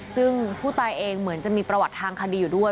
ซึ่งผู้ตายเองเหมือนจะมีประวัติทางคดีอยู่ด้วย